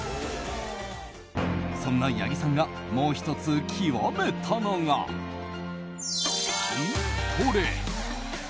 そんな八木さんがもう１つ極めたのが筋トレ。